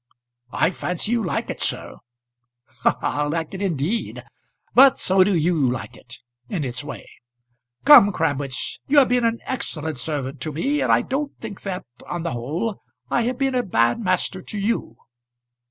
"I fancy you like it, sir." "Ha! ha! Like it, indeed! But so do you like it in its way. Come, Crabwitz, you have been an excellent servant to me; and I don't think that, on the whole, I have been a bad master to you."